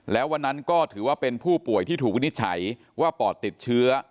แล้ววันนั้นก็ถือว่าเป็นผู้ป่วยที่ถูกวินิจฉัยว่าปอดติดเชื้อ